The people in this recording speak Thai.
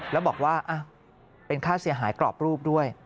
แล้วบอกว่าเป็นค่าเสียหายกรอบรูปด้วย